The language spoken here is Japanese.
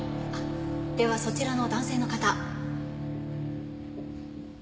ではそちらの男性の方。